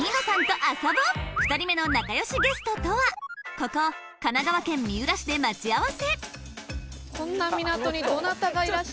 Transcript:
ここ神奈川県三浦市で待ち合わせ